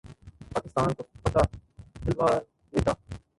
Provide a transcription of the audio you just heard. پاکستان کو فتح دلوا دیتا